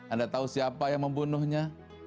anda tahu siapa yang membunuhnya